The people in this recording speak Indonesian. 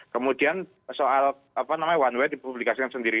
kemudian soal apa namanya one way dipublikasikan sendiri